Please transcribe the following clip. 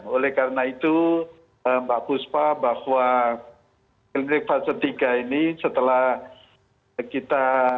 oleh karena itu mbak puspa bahwa klinik fase tiga ini setelah kita